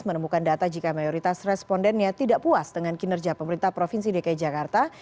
menemukan data jika mayoritas respondennya tidak puas dengan kinerja pemerintah provinsi dki jakarta